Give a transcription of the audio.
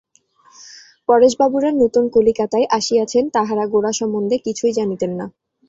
পরেশবাবুরা নূতন কলিকাতায় আসিয়াছেন, তাঁহারা গোরা সম্বন্ধে কিছুই জানিতেন না।